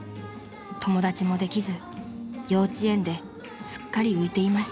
［友達もできず幼稚園ですっかり浮いていました］